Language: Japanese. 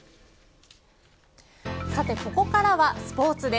さてここからはスポーツです。